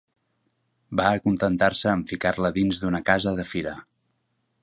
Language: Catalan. Va acontentar-se amb ficar-la dins d'una casa de fira.